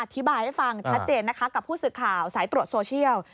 อธิบายให้ฟังชัดเจนนะคะกับผู้สื่อข่าวสายตรวจโซเชียล